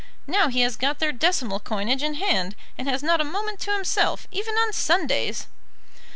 Now he has got their decimal coinage in hand, and has not a moment to himself, even on Sundays!"